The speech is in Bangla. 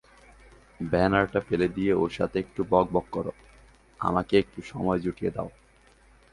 ব্যানারটা ফেলে দিয়ে ওর সাথে একটু বকবক করো, আমাকে একটু সময় জুটিয়ে দাও।